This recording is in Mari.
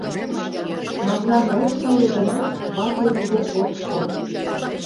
Марлан от кае гынат, вате лийде от код.